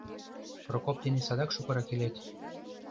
— Прокоп дене садак шукырак илет.